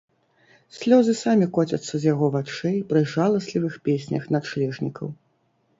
Слёзы самі коцяцца з яго вачэй пры жаласлівых песнях начлежнікаў.